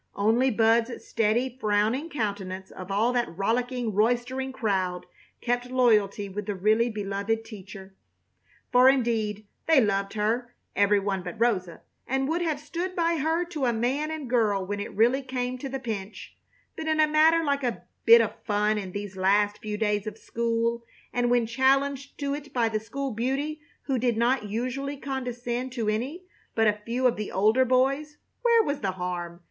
Only Bud's steady, frowning countenance of all that rollicking, roistering crowd kept loyalty with the really beloved teacher. For, indeed, they loved her, every one but Rosa, and would have stood by her to a man and girl when it really came to the pinch, but in a matter like a little bit of fun in these last few days of school, and when challenged to it by the school beauty who did not usually condescend to any but a few of the older boys, where was the harm?